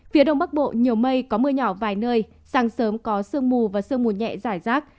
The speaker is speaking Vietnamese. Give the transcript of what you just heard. phía đông bắc bộ nhiều mây có mưa nhỏ vài nơi sáng sớm có sương mù và sương mù nhẹ giải rác